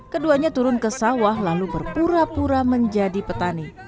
keduanya turun ke sawah lalu berpura pura menjadi petani